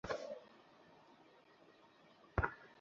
আমি চুমু দিয়ে ঠিক করে দিচ্ছি।